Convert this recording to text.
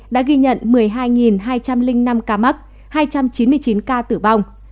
đã ghi nhận một mươi hai hai trăm linh năm ca mắc hai trăm chín mươi chín ca tử vong